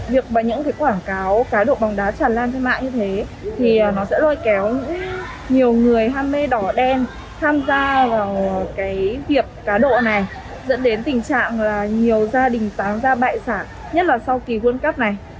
việc bằng những quảng cáo cá độ bóng đá tràn lan trên mạng như thế thì nó sẽ lôi kéo nhiều người ham mê đỏ đen tham gia vào việc cá độ này dẫn đến tình trạng là nhiều gia đình tám gia bại sản nhất là sau kỳ quân cấp này